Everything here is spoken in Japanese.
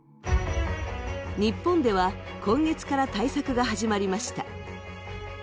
日本では、今月から対策が始まりました。